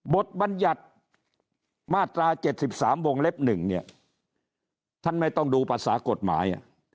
บัญญัติมาตรา๗๓วงเล็บ๑เนี่ยท่านไม่ต้องดูภาษากฎหมาย